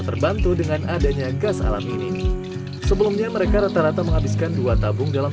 terbantu dengan adanya gas alam ini sebelumnya mereka rata rata menghabiskan dua tabung dalam